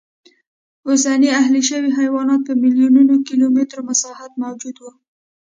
اوسني اهلي شوي حیوانات په میلیونونو کیلومترو مساحت موجود و